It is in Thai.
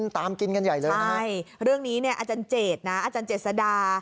ตามกินกันใหญ่เลยนะครับใช่เรื่องนี้อาจารย์เจตนะอาจารย์เจตสดา